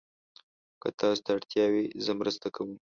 که تاسو ته اړتیا وي، زه مرسته کوم.